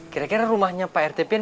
kira kira rumahnya pak rt pin